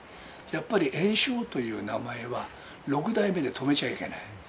やっぱり圓生という名前は、六代目で止めちゃいけない。